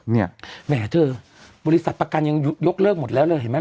เมื่อเธอบริษัทประกันยังยกเลือกหมดแล้ว